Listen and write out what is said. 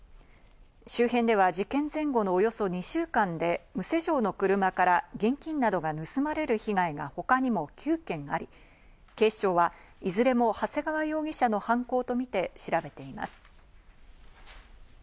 周辺では事件前後のおよそ２週間で無施錠の車から現金などが盗まれる被害が他にも９件あり、警視庁はいずれも長谷川容疑者の犯行とみて調べています。